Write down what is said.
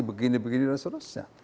begini begini dan sebagainya